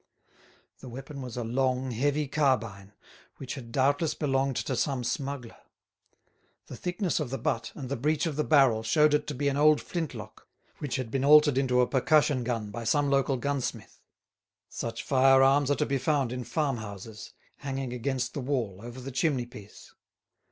The weapon was a long, heavy carbine, which had doubtless belonged to some smuggler. The thickness of the butt and the breech of the barrel showed it to be an old flintlock which had been altered into a percussion gun by some local gunsmith. Such firearms are to be found in farmhouses, hanging against the wall over the chimney piece.